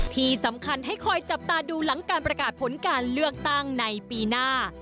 ที่สำคัญให้คอยจับตาดูหลังการประกาศผลการเลือกตั้งในปีหน้า